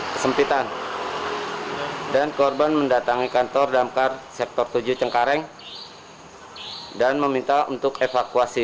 kesempitan dan korban mendatangi kantor damkar sektor tujuh cengkareng dan meminta untuk evakuasi